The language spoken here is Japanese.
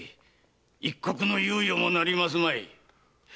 一刻の猶予もなりますまい。